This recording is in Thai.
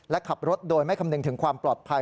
และขับรถโดยไม่คำนึงถึงความปลอดภัย